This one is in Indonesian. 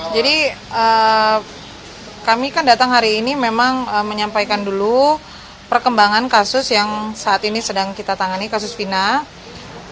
jadi kami kan datang hari ini memang menyampaikan dulu perkembangan kasus yang saat ini sedang kita tangani kasus final